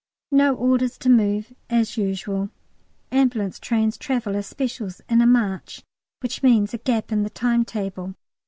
No orders to move, as usual. Ambulance trains travel as "specials" in a "marche," which means a gap in the timetable.